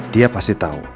dia pasti tau